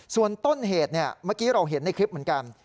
ส่วนต้นเหตุเมื่อกี้เราเห็นในคลิปเหมือนกัน